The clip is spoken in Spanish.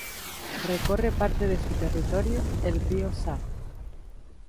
Recorre parte de su territorio el río Sar.